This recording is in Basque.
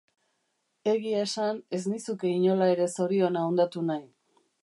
Egia esan, ez nizuke inola ere zoriona hondatu nahi.